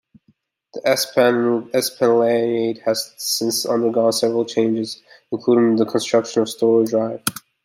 The Esplanade has since undergone several changes, including the construction of Storrow Drive.